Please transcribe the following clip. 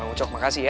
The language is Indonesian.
bang ucok makasih ya